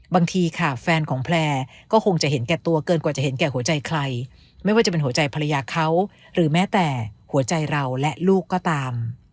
บางทีค่ะแฟนของแพลร์ก็คงจะเห็นแก่ตัวเกินกว่าจะเห็นแก่หัวใจใครไม่ว่าจะเป็นหัวใจภรรยาเขาหรือแม้แต่หัวใจเราและลูกก็ตาม